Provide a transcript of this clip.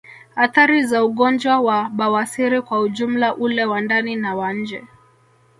Athari za ugonjwa wa bawasiri kwa ujumla ule wa ndani na wa nje